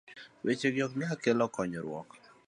weche gi ok nyal kelo konyruok